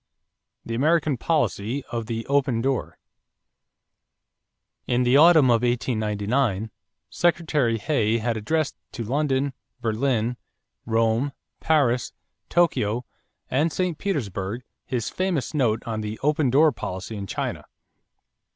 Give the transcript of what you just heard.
=The American Policy of the "Open Door."= In the autumn of 1899, Secretary Hay had addressed to London, Berlin, Rome, Paris, Tokyo, and St. Petersburg his famous note on the "open door" policy in China.